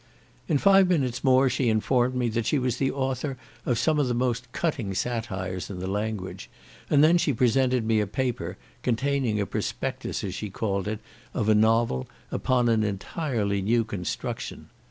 In five minutes more she informed me that she was the author of some of the most cutting satires in the language; and then she presented me a paper, containing a prospectus, as she called it, of a novel, upon an entirely new construction.